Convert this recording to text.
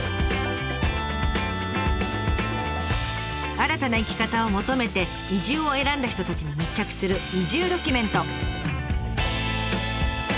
新たな生き方を求めて移住を選んだ人たちに密着する移住ドキュメント。